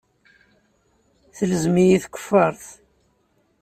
Telzem-iyi tkeffaṛt.